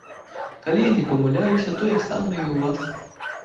Калі не памыляюся, тое самае і ў вас.